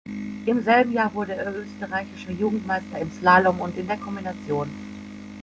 Im selben Jahr wurde er österreichischer Jugendmeister im Slalom und in der Kombination.